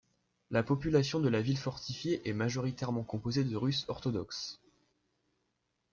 La population de la ville fortifiée est majoritairement composée de russes orthodoxes.